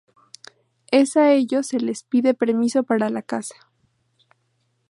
Es a ellos se les pide permiso para la caza.